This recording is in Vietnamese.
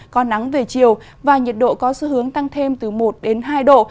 còn nắng về chiều và nhiệt độ có xu hướng tăng thêm từ một hai độ